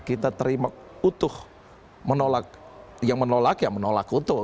kita terima utuh menolak yang menolak ya menolak utuh